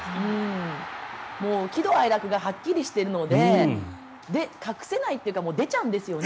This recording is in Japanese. もう喜怒哀楽がはっきりしているので隠せないというかもう出ちゃうんですよね。